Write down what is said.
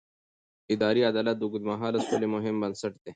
اداري عدالت د اوږدمهاله سولې مهم بنسټ دی